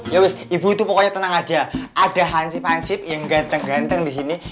ya wis ibu itu pokoknya tenang aja ada hansip hansip yang ganteng ganteng di sini